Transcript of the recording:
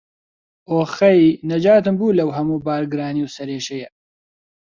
ئۆخەی، نەجاتم بوو لەو هەموو بارگرانی و سەرێشەیە.